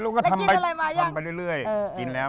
นอนไม่ได้รถแล้ว